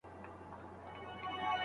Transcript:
په ګډه څېړنه کي د دوی نومونه لیکل کېږي.